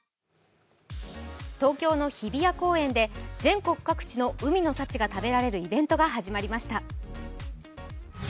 東京の日比谷公園で全国各地の海の幸が食べられるイベントが開催されました。